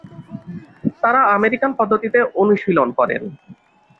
তারা আমেরিকান পদ্ধতিতে অনুশীলন করেন।